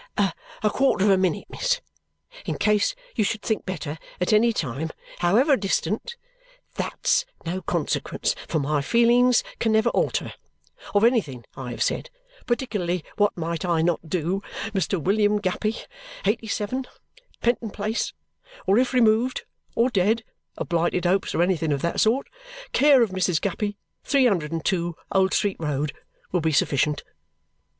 "A quarter of a minute, miss! In case you should think better at any time, however distant THAT'S no consequence, for my feelings can never alter of anything I have said, particularly what might I not do, Mr. William Guppy, eighty seven, Penton Place, or if removed, or dead (of blighted hopes or anything of that sort), care of Mrs. Guppy, three hundred and two, Old Street Road, will be sufficient."